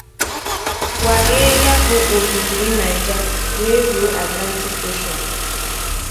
waghee ya bụ Ohimiri Naịja wee ruo 'Atlantic Ocean'